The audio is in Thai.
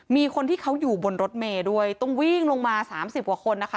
มีคนที่เขาอยู่บนรถเมย์ด้วยต้องวิ่งลงมาสามสิบกว่าคนนะคะ